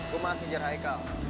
gue maaf ngejar haikal